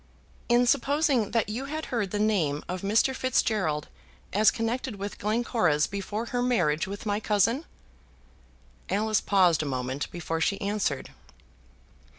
"In supposing that you had heard the name of Mr. Fitzgerald as connected with Glencora's before her marriage with my cousin?" Alice paused a moment before she answered.